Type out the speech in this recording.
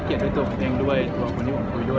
ด้วยตัวผมเองด้วยตัวคนที่ผมคุยด้วย